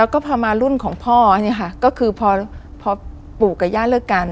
แล้วก็พอมารุ่นของพ่อเนี่ยค่ะก็คือพอปู่กับย่าเลิกกัน